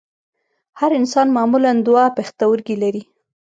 هر انسان معمولاً دوه پښتورګي لري